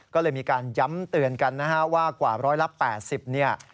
ก็เลยมีการย้ำเตือนกันนะฮะว่ากว่าร้อยละ๘๐เนี่ย